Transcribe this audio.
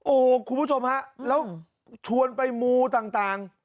โอ้โหคุณผู้ชมฮะแล้วชวนไปมูต่าง